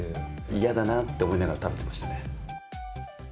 嫌だなって思いながら食べていましたね。